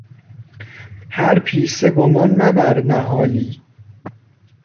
هر پیسه گمان مبر نهالی...